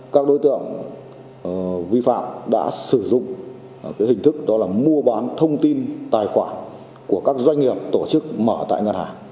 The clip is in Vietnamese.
các đối tượng vi phạm đã sử dụng hình thức đó là mua bán thông tin tài khoản của các doanh nghiệp tổ chức mở tại ngân hàng